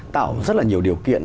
tạo rất là nhiều điều kiện